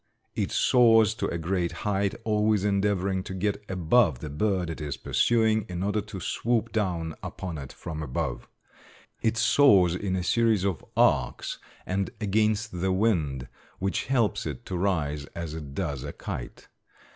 It soars to a great height, always endeavoring to get above the bird it is pursuing in order to swoop down upon it from above. It soars in a series of arcs and against the wind, which helps it to rise as it does a kite.